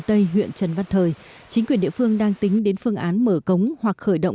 tây huyện trần văn thời chính quyền địa phương đang tính đến phương án mở cống hoặc khởi động